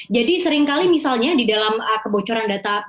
jadi seringkali misalnya di dalam kebocoran data biologis